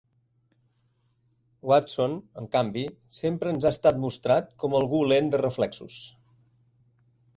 Watson, en canvi, sempre ens ha estat mostrat com algú lent de reflexos.